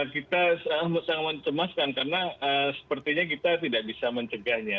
kita sangat mencemaskan karena sepertinya kita tidak bisa mencegahnya